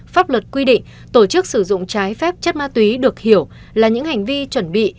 pháp luật quy định tổ chức sử dụng trái phép chất ma túy được hiểu là những hành vi chuẩn bị